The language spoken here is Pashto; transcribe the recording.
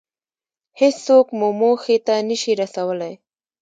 هېڅوک مو موخې ته نشي رسولی.